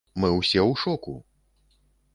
Мы ўсе ў шоку!